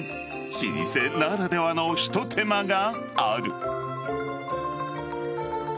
老舗ならではのひと手間がある。